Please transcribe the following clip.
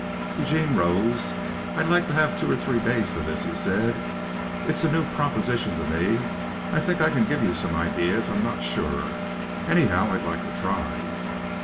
Eugene rose. "I'd like to have two or three days for this," he said. "It's a new proposition to me. I think I can give you some ideas I'm not sure. Anyhow, I'd like to try."